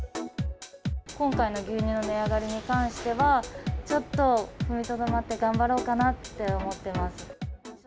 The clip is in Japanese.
今回の牛乳の値上がりに関しては、ちょっと踏みとどまって、頑張ろうかなって思ってます。